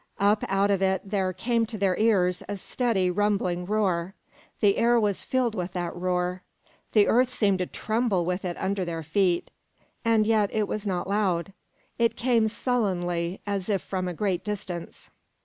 Up out of it there came to their ears a steady, rumbling roar; the air was filled with that roar; the earth seemed to tremble with it under their feet and yet it was not loud. It came sullenly, as if from a great distance.